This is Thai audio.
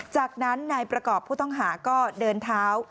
จากนั้นนายประกอบผู้ต้องหาก็เดินเท้า